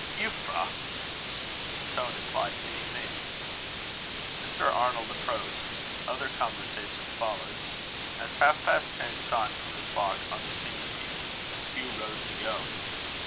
"Euphra!" The tone implied many things. Mr. Arnold approached. Other conversation followed. As half past ten chimed from the clock on the chimney piece, Hugh rose to go.